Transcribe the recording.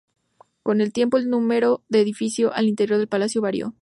Con el tiempo, el número de edificio al interior del palacio varió.